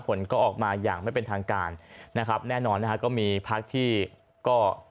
ผลก็ออกมาอย่างไม่เป็นทางการนะครับแน่นอนนะฮะก็มีพักที่ก็